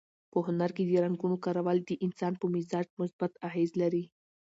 په هنر کې د رنګونو کارول د انسان په مزاج مثبت اغېز لري.